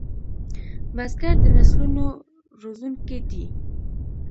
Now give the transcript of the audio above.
بزګر د نسلونو روزونکی دی